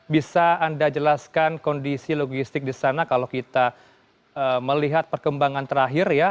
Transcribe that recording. bisa anda jelaskan kondisi logistik di sana kalau kita melihat perkembangan terakhir ya